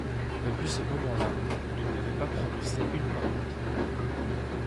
Depuis ce moment-là, il n'avait pas prononcé une parole.